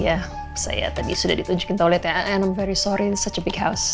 ya saya tadi sudah ditunjukin oleh tnm very sorry such a big house